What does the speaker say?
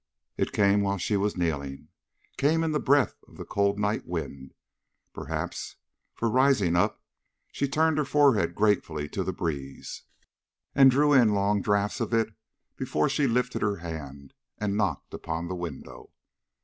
It came while she was kneeling came in the breath of the cold night wind, perhaps; for, rising up, she turned her forehead gratefully to the breeze, and drew in long draughts of it before she lifted her hand and knocked upon the window.